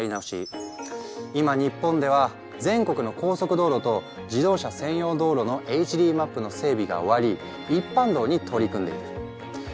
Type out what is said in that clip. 今日本では全国の高速道路と自動車専用道路のＨＤマップの整備が終わり一般道に取り組んでいる。